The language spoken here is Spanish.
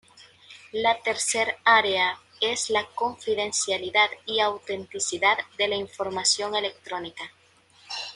La tercer área es la confidencialidad y autenticidad de la información electrónica.